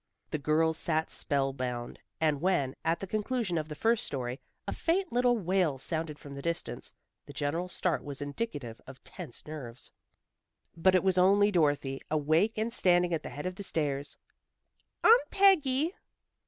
The girls sat spellbound, and when, at the conclusion of the first story, a faint little wail sounded from the distance, the general start was indicative of tense nerves. But it was only Dorothy, awake and standing at the head of the stairs. "Aunt Peggy!"